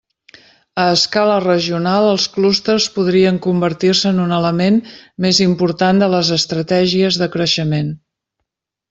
A escala regional, els clústers podrien convertir-se en un element més important de les estratègies de creixement.